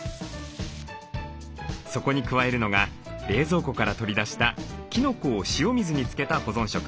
そこに加えるのが冷蔵庫から取り出したきのこを塩水に漬けた保存食。